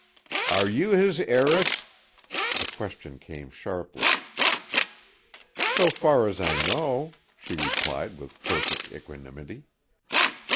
"Are you his heiress?" The question came sharply. "So far as I know," she replied with perfect equanimity.